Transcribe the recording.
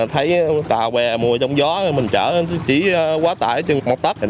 thấy tàu bè mùi trong gió mình chở chỉ quá tải chừng một tắt